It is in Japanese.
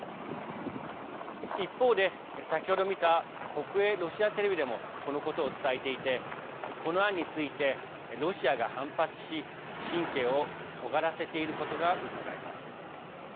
一方で、先ほど見た国営ロシアテレビでもこのことを伝えていてこの案についてロシアが反発し神経をとがらせていることがうかがえます。